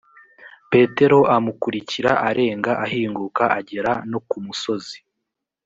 petero amukurikira arenga ahinguka agera no kumusozi.